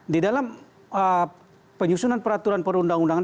di dalam penyusunan peraturan perundang undangan